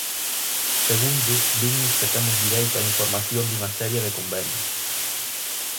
Segundo, dinnos que temos dereito á información dunha serie de convenios.